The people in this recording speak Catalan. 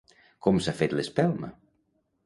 Com s'ha fet l'espelma?